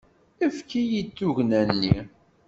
Efk-iyi-d tugna-nni.